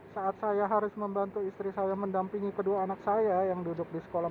saat saya harus membantu istri saya mendampingi kedua anak saya yang duduk di sekolah